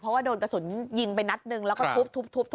เพราะว่าโดนกระสุนยิงไปนัดหนึ่งแล้วก็ทุบ